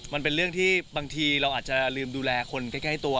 มันเป็นเรื่องที่บางทีเราอาจจะลืมดูแลคนใกล้ตัว